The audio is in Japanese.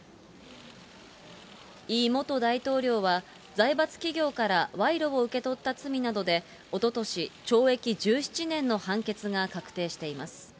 イ元大統領は、財閥企業から賄賂を受け取った罪などで、おととし、懲役１７年の判決が確定しています。